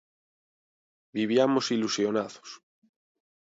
Viviamos ilusionados.